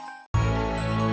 sampai jumpa lagi